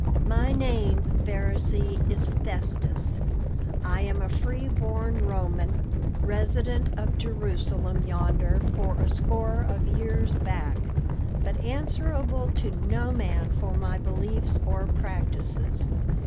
"My name, Pharisee, is Festus; I am a free born Roman, resident of Jerusalem yonder for a score of years back, but answerable to no man for my beliefs or practices.